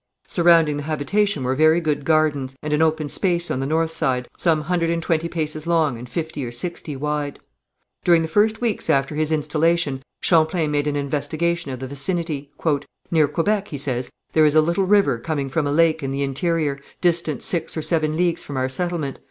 Surrounding the habitation were very good gardens, and an open space on the north side, some hundred and twenty paces long and fifty or sixty wide. During the first weeks after his installation, Champlain made an investigation of the vicinity. "Near Quebec," he says, "there is a little river coming from a lake in the interior, distant six or seven leagues from our settlement.